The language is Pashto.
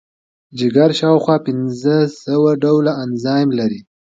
جگر شاوخوا پنځه سوه ډوله انزایم لري.